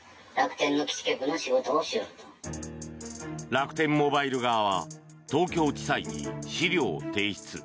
楽天モバイル側は東京地裁に資料を提出。